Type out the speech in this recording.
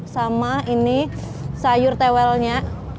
sama ini sayur tewelnya